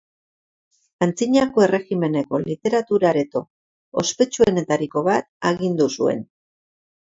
Antzinako erregimeneko literatura areto ospetsuenetariko bat agindu zuen.